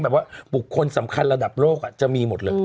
บุคคลสำคัญระดับโลกจะมีหมดเลย